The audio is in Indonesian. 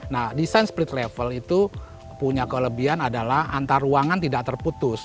nah desain spirit level itu punya kelebihan adalah antar ruangan tidak terputus